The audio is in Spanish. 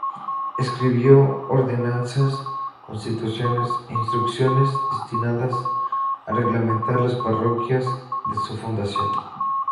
Escribió ordenanzas, constituciones e instrucciones destinadas a reglamentar las parroquias de su fundación.